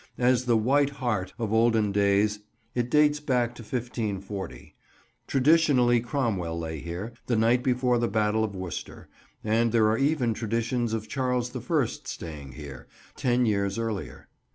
As the "White Hart," of olden days it dates back to 1540. Traditionally Cromwell lay here, the night before the Battle of Worcester, and there are even traditions of Charles the First staying here, ten years earlier.